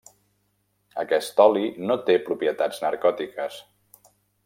Aquest oli no té propietats narcòtiques.